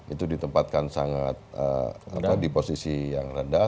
itu ditempatkan sangat di posisi yang rendah